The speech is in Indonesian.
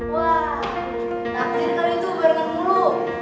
wah tak sih kali itu barengan guru